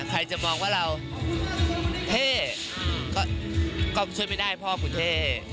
ใครจะมองว่าเราเท่ก็ช่วยไม่ได้พ่อคุณเท่